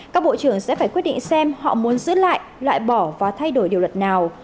các bộ trưởng sẽ phải quyết định xem họ muốn giữ lại loại bỏ và thay đổi điều luật nào